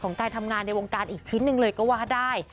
การทำงานในวงการอีกชิ้นหนึ่งเลยก็ว่าได้